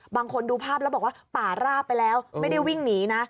บางคนดูภาพแล้วบอกว่าป่าราบไปแล้วไม่ได้วิ่งหนีนะ